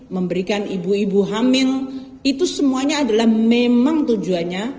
memberikan ibu ibu hamil itu semuanya adalah memang tujuannya